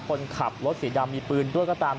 คนขับรถสีดำมีปืนด้วยก็ตาม